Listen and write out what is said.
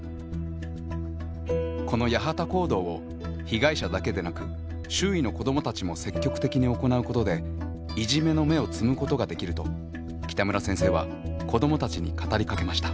このやはた行動を被害者だけでなく周囲の子どもたちも積極的に行うことでいじめの芽を摘むことができると北村先生は子どもたちに語りかけました。